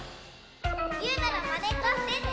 ゆうなのまねっこしてね。